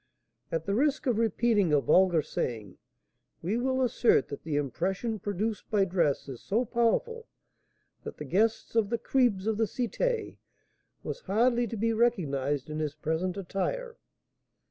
At the risk of repeating a vulgar saying, we will assert that the impression produced by dress is so powerful, that the guest of the "cribs" of the Cité was hardly to be recognised in his present attire.